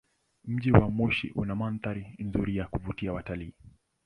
Mji wa Moshi una mandhari nzuri ya kuvutia watalii.